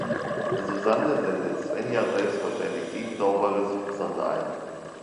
Susanne sendet Svenja selbstverständlich sieben saubere Sumpfsandalen.